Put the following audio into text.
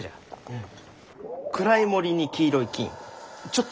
うん。